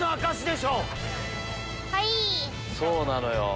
そうなのよ。